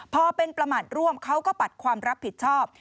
พอเป็นประมาทร่วมเขาก็ปัดความรับผิดชอบ